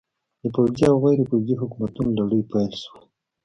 د پوځي او غیر پوځي حکومتونو لړۍ پیل شوه.